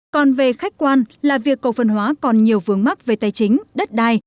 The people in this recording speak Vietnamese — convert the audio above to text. còn về khách quan là việc cổ phần hóa còn nhiều vướng mắc về tài chính đất đai